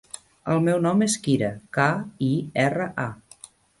El meu nom és Kira: ca, i, erra, a.